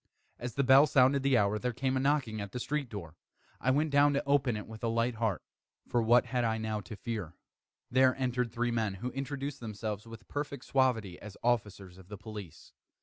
As the bell sounded the hour, there came a knocking at the street door. I went down to open it with a light heart, for what had I now to fear? There entered three men, who introduced themselves, with perfect suavity, as officers of the police.